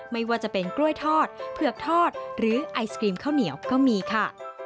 ไม่ว่าจะเป็นกล้วยทอดเผือกทอดหรือไอศกรีมข้าวเหนียวก็มีค่ะ